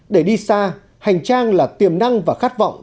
để đi xa hành trang là tiềm năng và khát vọng